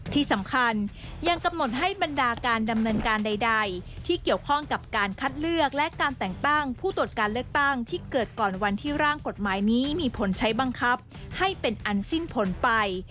ที่สำคัญยังกำหนดให้บรรดาการดำเนินการใดที่เกี่ยวข้องกับการคัดเลือกและการแต่งตั้งผู้ตรวจการเลือกตั้งที่เกิดก่อนวันที่ร่างกฎหมายนี้มีผลใช้บังคับให้เป็นอันสิ้นผลไป